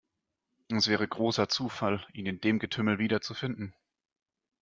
Es wäre großer Zufall, ihn in dem Getümmel wiederzufinden.